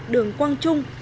đường quang trung